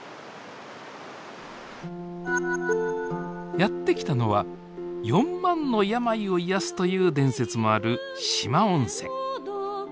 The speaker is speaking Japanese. やって来たのは四万の病を癒やすという伝説もある四万温泉。